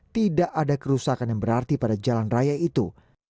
tidak ada kerusakan yang berarti pada jalan raya itu